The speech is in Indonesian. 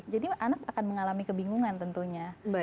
jadi anak akan mengalami kebingungan tentunya